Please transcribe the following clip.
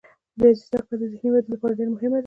د ریاضي زده کړه د ذهني ودې لپاره ډیره مهمه ده.